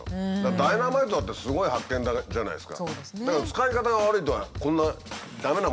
ダイナマイトだってすごい発見じゃないですか。